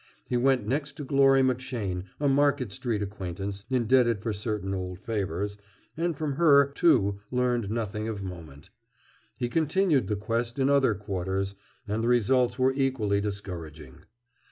He went next to Glory McShane, a Market Street acquaintance indebted for certain old favors, and from her, too, learned nothing of moment. He continued the quest in other quarters, and the results were equally discouraging.